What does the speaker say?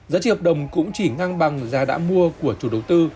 giá trị hợp đồng cũng chỉ ngang bằng giá đã mua của chủ đầu tư